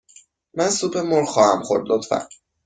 من سوپ مرغ خواهم خورد، لطفاً.